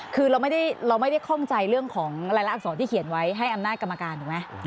คือเราไม่ได้ข้องใจเรื่องของรายละอักษรที่เขียนไว้ให้อำนาจกรรมการถูกไหม